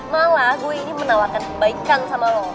malah gue ini menawarkan kebaikan sama lo